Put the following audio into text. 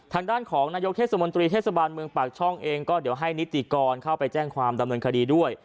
ทางด้านของนายกเทศมนตรีเทศบาลเมืองปากช่องเองก็เดี๋ยวให้นิติกรเข้าไปแจ้งความดำเนินคดีด้วย